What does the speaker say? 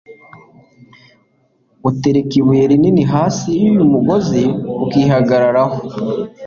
utereka ibuye rinini hasi y'uyu mugozi, ukihagararaho